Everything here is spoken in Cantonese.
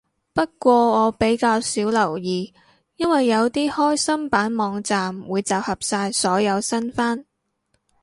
不過我比較少留意，因為有啲開心版網站會集合晒所有新番